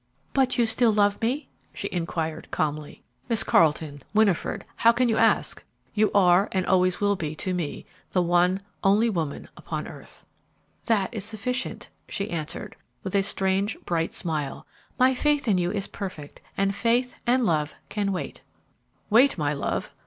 "But you still love me?" she inquired, calmly. "Miss Carleton, Winifred, how can you ask? You are, and always will be to me, the one, only woman upon earth." "That is sufficient," she answered, with a strange, bright smile; "my faith in you is perfect, and faith and love can wait." "Wait, my love!